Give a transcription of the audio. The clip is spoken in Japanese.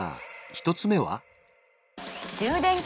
１つ目は？